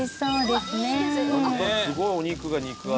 すごいお肉が肉厚。